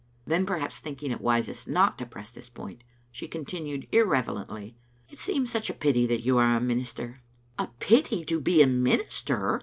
Then, perhaps thinking it wisest not to press this point, she continued irrelevantly, " It seems such a pity that you are a minister. " "A pity to be a minister!"